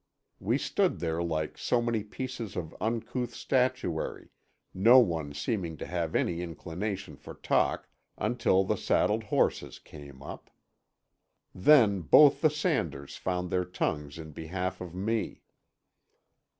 We stood there like so many pieces of uncouth statuary, no one seeming to have any inclination for talk, until the saddled horses came up. Then both the Sanders found their tongues in behalf of me.